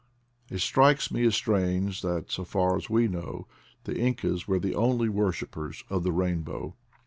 It strikes me as strange that, so far as we know, the Incas were the only worshipers of the rainbow.